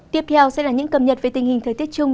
tiếp theo sẽ là những cập nhật về tình hình thời tiết chung